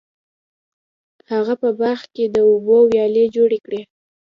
هغه په باغ کې د اوبو ویالې جوړې کړې.